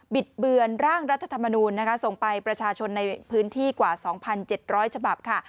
ิดเบือนร่างรัฐธรรมนูญนะคะส่งไปประชาชนในพื้นที่กว่า๒๗๐๐ฉบับค่ะ